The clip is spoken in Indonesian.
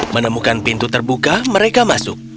menemukan pintu terbuka mereka masuk